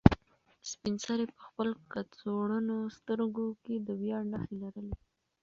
سپین سرې په خپل کڅوړنو سترګو کې د ویاړ نښې لرلې.